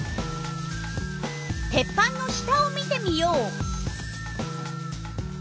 鉄板の下を見てみよう！